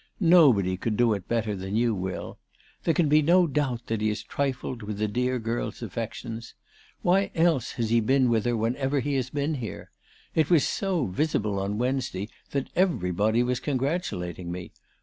Nobody could do it better than you will. There can be no doubt that he has trifled with the dear girl's affections. Why else has he been with her whenever he has been here? It was so visible on Wednesday that everybody was congratulating me.